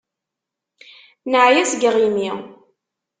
Neεya seg yiɣimi.